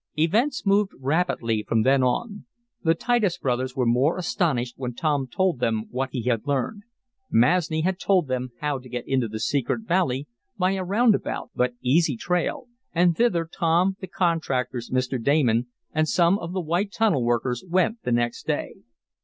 Events moved rapidly from then on. The Titus brothers were more than astonished when Tom told them what he had learned. Masni had told him how to get into the secret valley by a round about, but easy trail, and thither Tom, the contractors, Mr. Damon and some of the white tunnel workers went the next day.